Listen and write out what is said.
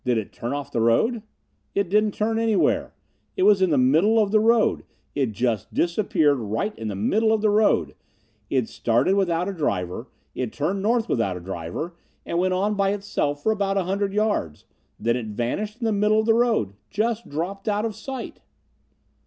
"Did it turn off the road?" "I didn't turn anywhere. It was in the middle of the road. It just disappeared right in the middle of the road. It started without a driver, it turned north without a driver, and went on by itself for about a hundred yards. Then it vanished in the middle of the road. Just dropped out of sight."